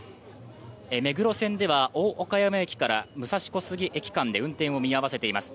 目黒線では大岡山駅から武蔵小杉駅間で運転を見合わせています。